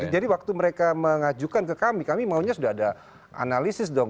jadi waktu mereka mengajukan ke kami kami maunya sudah ada analisis dong